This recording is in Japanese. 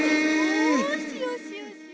よしよしよし。